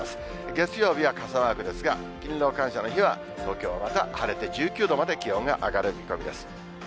月曜日は傘マークですが、勤労感謝の日は、東京はまた晴れて、１９度まで気温が上がる見込みです。